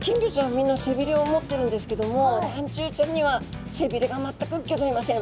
みんな背びれを持ってるんですけどもらんちゅうちゃんには背びれが全くギョざいません。